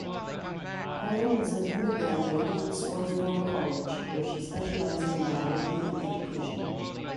Perrin was an undergraduate at Swarthmore College where she specialized in biology and education.